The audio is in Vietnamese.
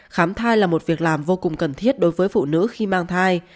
khám thai là một việc làm vô cùng cần thiết đối với phụ nữ khi mang thai